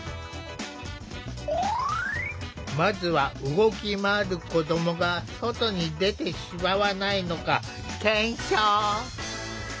まずは動き回る子どもが外に出てしまわないのか検証。